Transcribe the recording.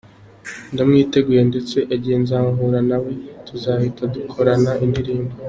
Ndamwiteguye ndetse igihe nzahura na we tuzahita dukorana indirimbo.